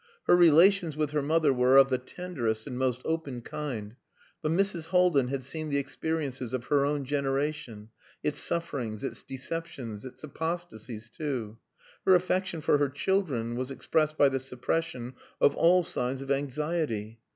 Her relations with her mother were of the tenderest and most open kind; but Mrs. Haldin had seen the experiences of her own generation, its sufferings, its deceptions, its apostasies too. Her affection for her children was expressed by the suppression of all signs of anxiety.